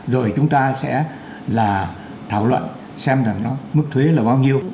rồi chúng ta sẽ là thảo luận xem rằng nó mức thuế là bao nhiêu